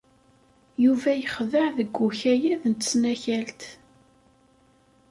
Yuba yexdeɛ deg ukayad n tesnakalt.